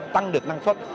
tăng được năng suất